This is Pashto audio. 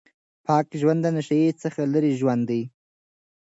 پاک ژوند د نشې څخه لرې ژوند دی.